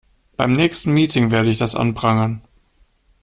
Beim nächsten Meeting werde ich das anprangern.